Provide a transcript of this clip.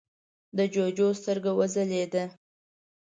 د جُوجُو سترګه وځلېده: